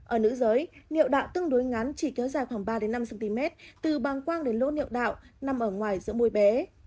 ở nữ giới niệm đạo tương đối ngắn chỉ kéo dài khoảng ba năm cm từ băng quang đến lỗ niệu đạo nằm ở ngoài giữa môi bé